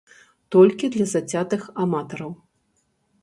Толькі для зацятых аматараў!